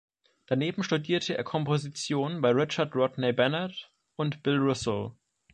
Daneben studierte er Komposition bei Richard Rodney Bennett und Bill Russo.